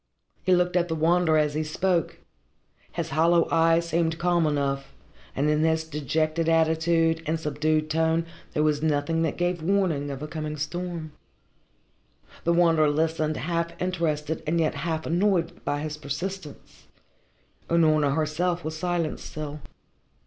He looked at the Wanderer as he spoke. His hollow eyes seemed calm enough, and in his dejected attitude and subdued tone there was nothing that gave warning of a coming storm. The Wanderer listened, half interested and yet half annoyed by his persistence. Unorna herself was silent still.